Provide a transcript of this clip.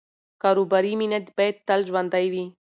کاروباري مینه باید تل ژوندۍ وي.